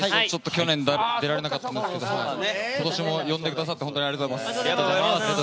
去年出られなかったんですけど今年も呼んでくださってありがとうございます。